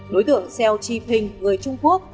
đối tượng xeo chi phình người trung quốc